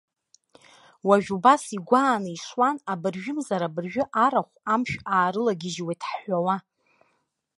Уажәы убас игәааны ишуан, абыржәымзар-абыржәы арахә амшә аарылагьежьуеит ҳҳәауа.